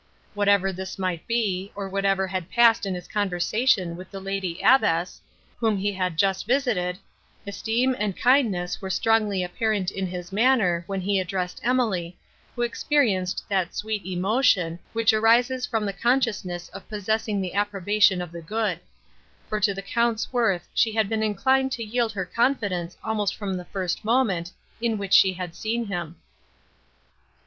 Whatever this might be, or whatever had passed in his conversation with the lady abbess, whom he had just visited, esteem and kindness were strongly apparent in his manner, when he addressed Emily, who experienced that sweet emotion, which arises from the consciousness of possessing the approbation of the good; for to the Count's worth she had been inclined to yield her confidence almost from the first moment, in which she had seen him.